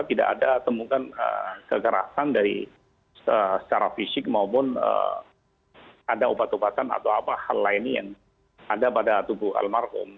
tidak ada temukan kekerasan dari secara fisik maupun ada obat obatan atau apa hal lainnya yang ada pada tubuh almarhum